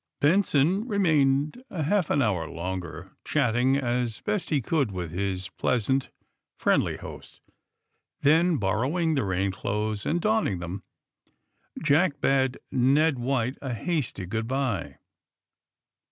Benson remained a half an hour longer, chat ting as best he could with his pleasant, friendly host. Then, borrowing the rain clothes and donning them, Jack bade Ned White a hasty good bye.